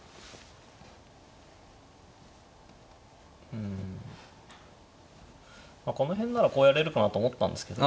うんまあこの辺ならこうやれるかなと思ったんですけど。